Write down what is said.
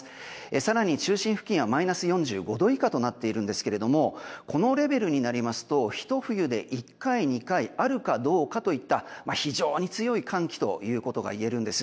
更に中心付近はマイナス４５度以下となっているんですけれどもこのレベルになりますとひと冬で１回、２回あるかどうかといった非常に強い寒気ということがいえるんです。